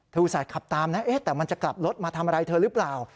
อุตส่าห์ขับตามนะแต่มันจะกลับรถมาทำอะไรเธอหรือเปล่า